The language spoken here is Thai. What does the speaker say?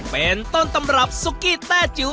เป็นต้นตำรับซุกี้แต้จิ๋ว